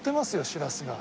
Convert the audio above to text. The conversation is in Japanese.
しらすが。